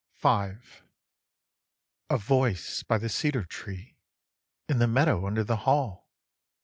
V. 1. A voice by the cedar tree, In the meadow under the Hall!